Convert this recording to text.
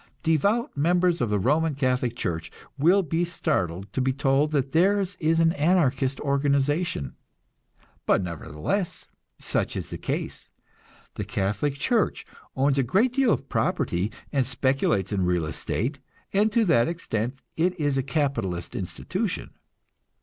Devout members of the Roman Catholic Church will be startled to be told that theirs is an Anarchist organization; but nevertheless, such is the case. The Catholic Church owns a great deal of property, and speculates in real estate, and to that extent it is a capitalist institution.